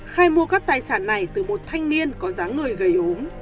khai mua các tài sản này từ một thanh niên có dáng người gây ốm